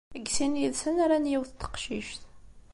Deg sin yid-sen ran yiwet n teqcict.